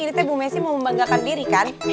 ini teh bu messi mau membanggakan diri kan